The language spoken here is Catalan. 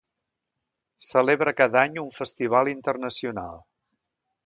Celebra cada any un festival internacional.